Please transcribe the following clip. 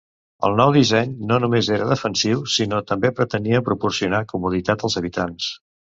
El nou disseny no només era defensiu, sinó també pretenia proporcionar comoditat als habitants.